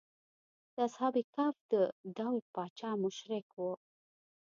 د اصحاب کهف د دور پاچا مشرک و.